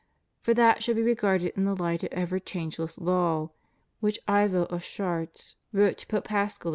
For that should be regarded in the light of an ever changeless law which Ivo of Chartres wrote to Pope Paschal II.